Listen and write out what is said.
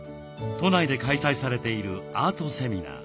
都内で開催されているアートセミナー。